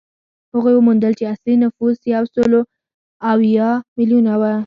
هغوی وموندل چې اصلي نفوس یو سل یو اویا میلیونه و